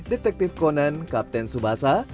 detektif conan kapten tsubasa